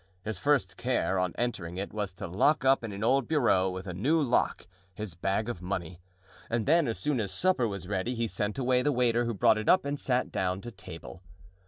His first care on entering it was to lock up in an old bureau with a new lock his bag of money, and then as soon as supper was ready he sent away the waiter who brought it up and sat down to table.